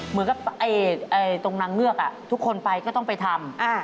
เหมือนกับตรงนางเงือกทุกคนไปก็ต้องไปทำ